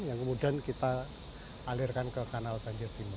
yang kemudian kita alirkan ke kanal banjir timur